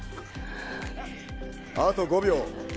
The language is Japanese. あと５秒。